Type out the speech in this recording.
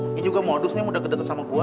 ini juga modusnya muda kedeket sama gue